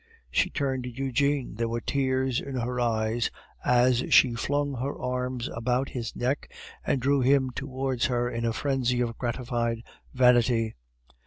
She turned to Eugene; there were tears in her eyes as she flung her arms about his neck, and drew him towards her in a frenzy of gratified vanity.